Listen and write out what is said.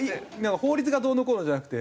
法律がどうのこうのじゃなくて。